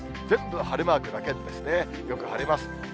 全部晴れマークだけで、よく晴れます。